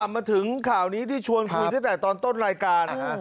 มาถึงข่าวนี้ที่ชวนคุยตั้งแต่ตอนต้นรายการ